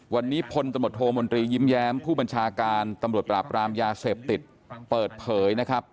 วันนี้พลตำรวจโทมนตรียิ้มแย้มผู้บัญชาการตำรวจปราบรามยาเสพติดเปิดเผยนะครับ